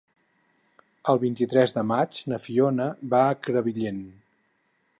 El vint-i-tres de maig na Fiona va a Crevillent.